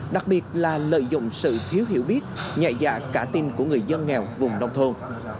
đặc biệt là lợi dụng sự thiếu hiểu biết nhẹ dạ cả tin của người dân nghèo vùng nông thôn